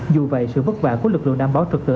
dù vậy sự vất vả của lực lượng đảm bảo trật tự